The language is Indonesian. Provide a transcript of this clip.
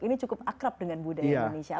ini cukup akrab dengan budaya indonesia